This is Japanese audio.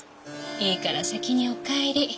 いいから先にお帰り。